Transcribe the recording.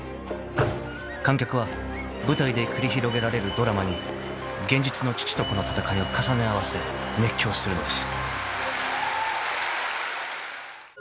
［観客は舞台で繰り広げられるドラマに現実の父と子の戦いを重ね合わせ熱狂するのです］